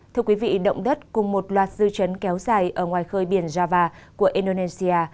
thưa quý vị động đất cùng một loạt dư chấn kéo dài ở ngoài khơi biển java của indonesia